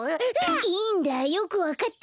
いいんだよくわかったよ。